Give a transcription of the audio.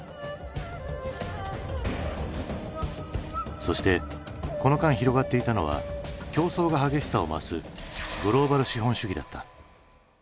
そしてこの間広がっていたのは競争が激しさを増すグローバル資本主義だった。